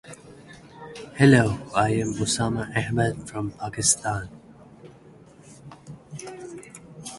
It is located on Jongno, central Seoul and comprises a large underground arcade.